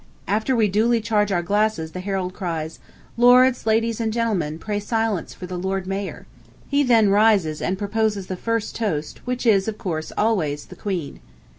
After we duly charge our glasses the herald cries: "Lords, Ladies, and Gentlemen, pray silence for the Lord Mayor." He then rises and proposes the first toast, which is, of course, always "The Queen."